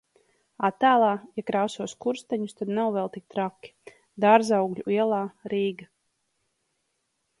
Attēlā: Ja krāso skursteņus, tad nav vēl tik traki. Dārzaugļu ielā, Rīga.